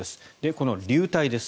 この流体です。